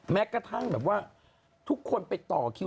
แม้กระทั่งแบบว่าทุกคนไปต่อคิว